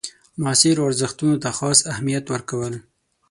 معاصرو ارزښتونو ته خاص اهمیت ورکول.